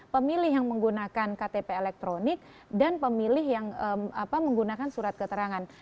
pemilih yang menggunakan ktp elektronik dan pemilih yang menggunakan surat keterangan